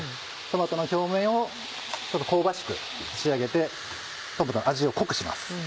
トマトの表面をちょっと香ばしく仕上げてトマトの味を濃くします。